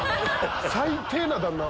最低な旦那！